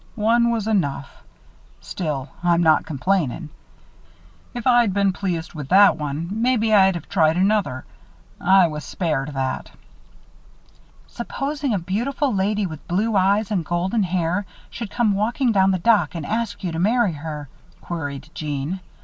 "One were enough. Still, I'm not complainin'. If I'd been real pleased with that one, maybe I'd have tried another. I was spared that." "Supposing a beautiful lady with blue eyes and golden hair should come walking down the dock and ask you to marry her," queried Jeanne.